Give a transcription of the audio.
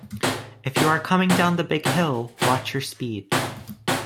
If you are coming down the big hill, watch your speed!